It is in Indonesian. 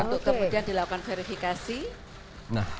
untuk kemudian dilakukan verifikasi